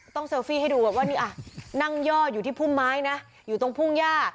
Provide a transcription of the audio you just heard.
เซลฟี่ให้ดูว่านี่อ่ะนั่งย่ออยู่ที่พุ่มไม้นะอยู่ตรงพุ่มย่า